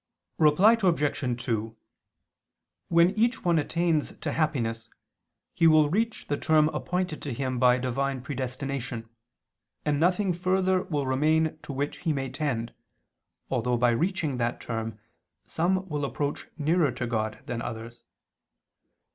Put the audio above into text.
Reply Obj. 2: When each one attains to happiness he will reach the term appointed to him by Divine predestination, and nothing further will remain to which he may tend, although by reaching that term, some will approach nearer to God than others.